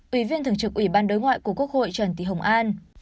ủy viên thường trực ủy ban đối ngoại của quốc hội trần thị hồng an